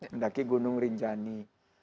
mendaki gunung rinjani